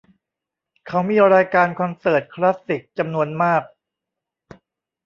เขามีรายการคอนเสิร์ตคลาสสิกจำนวนมาก